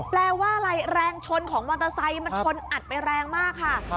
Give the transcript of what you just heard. แปลว่าอะไรแรงชนของมอเตอร์ไซค์มันชนอัดไปแรงมากค่ะ